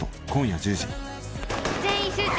全員集中！